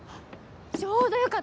ちょうどよかった！